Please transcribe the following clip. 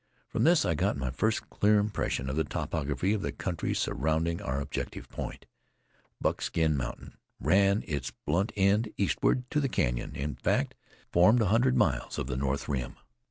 From this I got my first clear impression of the topography of the country surrounding our objective point. Buckskin mountain ran its blunt end eastward to the Canyon in fact, formed a hundred miles of the north rim.